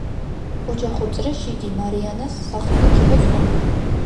ოჯახურ წრეში იგი „მარიანას“ სახელით იყო ცნობილი.